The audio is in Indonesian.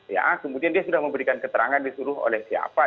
ya kemudian dia sudah memberikan keterangan disuruh oleh siapa